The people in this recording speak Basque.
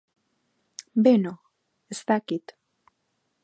Beno, ez dakit.